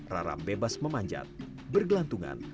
rara bebas memanjat bergelantungan